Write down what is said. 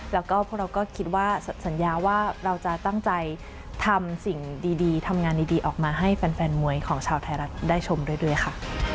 แล้วก็พวกเราก็สัญญาว่าเราจะตั้งใจทำงานดีมาให้แฟนมวยของชาวไทยรัฐได้ชมด้วยด้วยค่ะ